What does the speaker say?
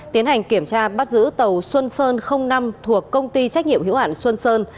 tiến hành kiểm tra bắt giữ tàu xuân sơn năm thuộc công ty trách nhiệm hữu hạn xuân sơn